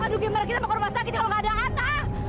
aduh gimana kita mau ke rumah sakit kalau nggak ada anak